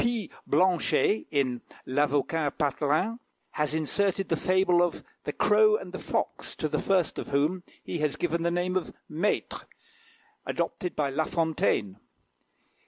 P. Blanchet, in "L'Avocat Patelin," has inserted the fable of "The Crow and the Fox," to the first of whom he has given the name of Maitre, adopted by La Fontaine.